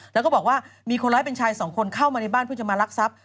แล้วก็บอกว่ามีคนร้ายเป็นชายสองคนเข้ามาในบ้านเพื่อจะมารักทรัพย์